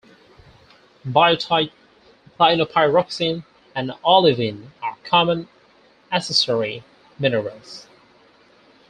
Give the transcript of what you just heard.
Biotite, clinopyroxene and olivine are common accessory minerals.